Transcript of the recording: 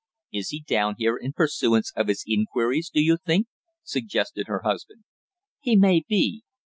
"Is he down here in pursuance of his inquiries, do you think?" suggested her husband. "He may be.